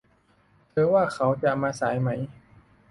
เธอว่าเขาจะมาสายไหม